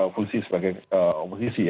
fungsi sebagai oposisi